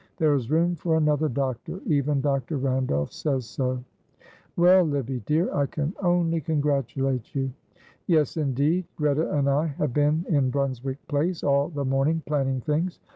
There is room for another doctor; even Dr. Randolph says so." "Well, Livy dear, I can only congratulate you." "Yes, indeed; Greta and I have been in Brunswick Place all the morning planning things.